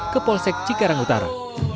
ke polsek cikarang utara